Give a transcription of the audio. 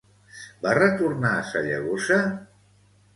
Va retornar a Sallagosa?